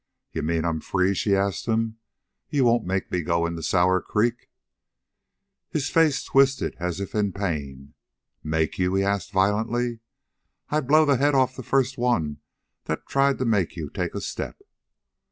"You mean I'm free?" she asked him. "You won't make me go into Sour Creek?" His face twisted as if in pain. "Make you?" he asked violently. "I'd blow the head off the first one that tried to make you take a step."